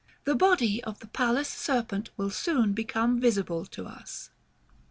The body of the Palace Serpent will soon become visible to us.